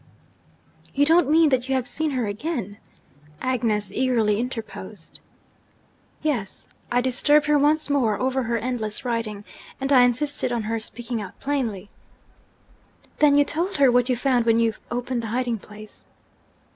'You don't mean that you have seen her again?' Agnes eagerly interposed. 'Yes. I disturbed her once more over her endless writing; and I insisted on her speaking out plainly.' 'Then you told her what you found when you opened the hiding place?'